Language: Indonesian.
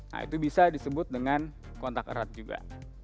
nah itu bisa disebut dengan kontak erat juga